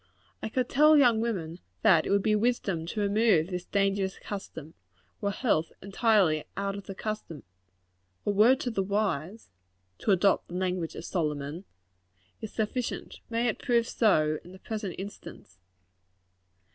I could tell young women, that it would be wisdom to remove this dangerous custom, were health entirely out of the question. A word to the wise to adopt the language of Solomon is sufficient. May it prove so, in the present instance.